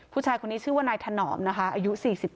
ผู้ชายคนนี้ชื่อว่านายถนอมนะคะอายุ๔๗